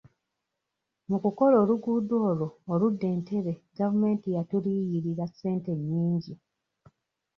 Mu kukola oluguudo olwo oludda Entebbe gavumenti yatuliyirira ssente nnyingi.